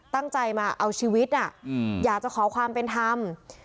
ตั้งใจมาเอาชีวิตอยากจะขอความเป็นธรรม